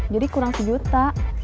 jadi kurang satu juta